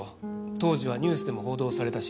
当時はニュースでも報道されたし。